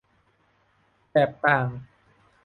แบบต่าง